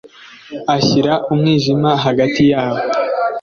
ashyira umwijima hagati yabo